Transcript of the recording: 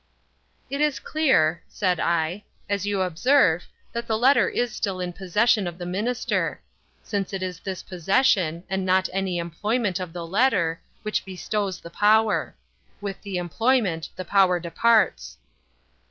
"It is clear," said I, "as you observe, that the letter is still in possession of the minister; since it is this possession, and not any employment of the letter, which bestows the power. With the employment the power departs."